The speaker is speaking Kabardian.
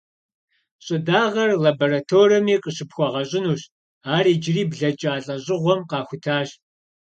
Щӏыдагъэр лабораторэми къыщыпхуэгъэщӏынущ, ар иджыри блэкӏа лӏэщӏыгъуэм къахутащ.